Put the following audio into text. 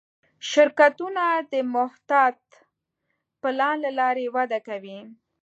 شرکتونه د محتاط پلان له لارې وده کوي.